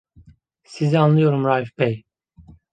Sizi anlıyorum Raif bey!